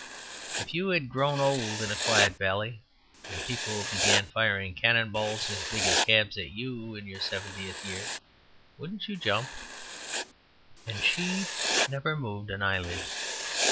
If you had grown old in a quiet valley, and people began firing cannon balls as big as cabs at you in your seventieth year, wouldn't you jump and she never moved an eyelid.